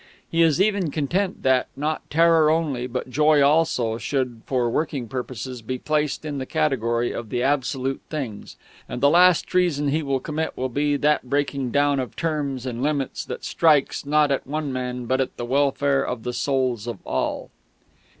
He is even content that, not terror only, but joy also, should for working purposes be placed in the category of the absolute things; and the last treason he will commit will be that breaking down of terms and limits that strikes, not at one man, but at the welfare of the souls of all.